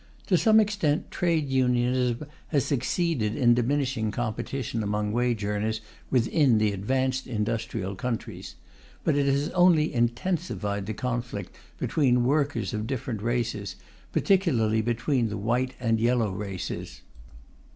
To some extent Trade Unionism has succeeded in diminishing competition among wage earners within the advanced industrial countries; but it has only intensified the conflict between workers of different races, particularly between the white and yellow races.